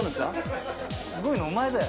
すごいのお前だよ。